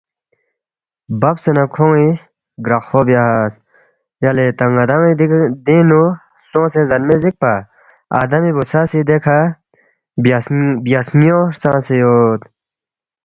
ببسے نہ کھون٘ی گراخفو بیاس، یلے تا ن٘دان٘ی دینگ نُو سونگسے زَنمے زیکپا دے آدمی بُوژھا سی دیکھہ بیہ سن٘یُو ہلژانگسے یود